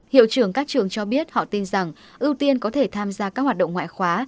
hiệu trưởng các trường cho biết họ tin rằng ưu tiên có thể tham gia các hoạt động ngoại khóa